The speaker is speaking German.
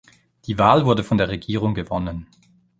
Die Wahl wurde von der Regierung gewonnen.